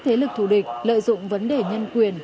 thế lực thù địch lợi dụng vấn đề nhân quyền